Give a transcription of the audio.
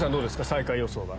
最下位予想は。